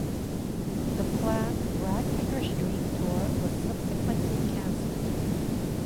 The planned Ragpicker's Dream Tour was subsequently cancelled.